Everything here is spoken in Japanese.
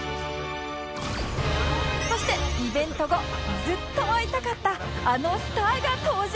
そしてイベント後ずっと会いたかったあのスターが登場！